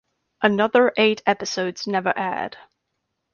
Another eight episodes never aired.